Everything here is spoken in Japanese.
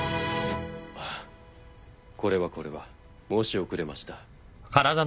あっこれはこれは申し遅れました。